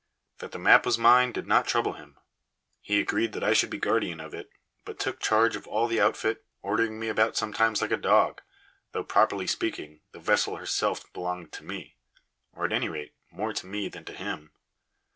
That the map was mine did not trouble him. He agreed that I should be guardian of it, but took charge of all the outfit, ordering me about sometimes like a dog, though, properly speaking, the vessel herself belonged to me or, at any rate, more to me than to him.